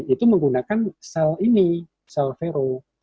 itu menggunakan sel ini sel vero